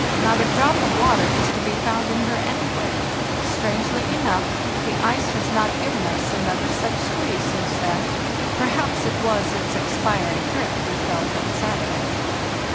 Not a drop of water is to be found in her anywhere. Strangely enough, the ice has not given us another such squeeze since then; perhaps it was its expiring grip we felt on Saturday.